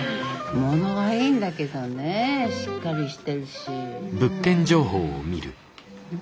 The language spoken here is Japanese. ものはいいんだけどねぇしっかりして。